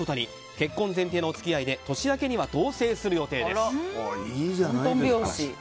結婚前提のお付き合いで年明けにはいいじゃないですか。